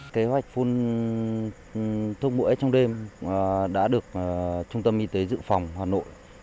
kế hoạch phun thuốc mũi trong đêm đã được trung tâm y tế dự phòng hà nội